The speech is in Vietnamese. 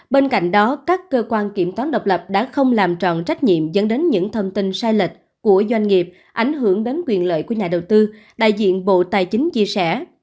bên cạnh đó các cơ quan kiểm toán độc lập đã không làm tròn trách nhiệm dẫn đến những thông tin sai lệch của doanh nghiệp ảnh hưởng đến quyền lợi của nhà đầu tư đại diện bộ tài chính chia sẻ